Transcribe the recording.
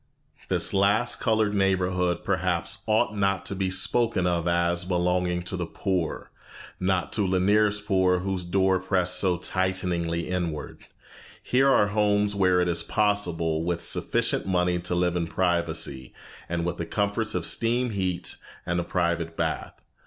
This last colored neighborhood perhaps ought not to be spoken of as belonging to the poor; not to Lanier's poor whose door pressed so tighteningly inward. Here are homes where it is possible, with sufficient money, to live in privacy, and with the comforts of steam heat and a private bath.